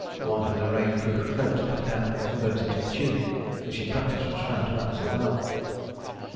One had a rainproof coat cut down and converted to a tunic, which in practice was found to answer well.